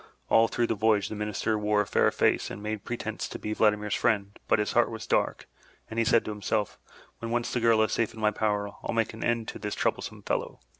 All through the voyage, the Minister wore a fair face and made pretence to be Vladimir's friend, but his heart was dark, and he said to himself, "When once the girl is safe in my power, I'll make an end of this troublesome fellow."